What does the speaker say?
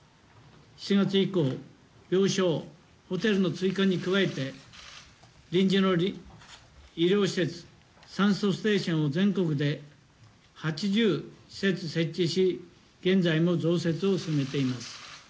４月以降、病床、ホテルの追加に加えて、臨時の医療施設、酸素ステーションを全国で８０施設、設置し現在も増設を進めています。